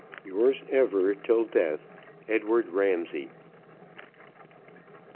"Yours ever, till death, "EDWARD RAMSAY."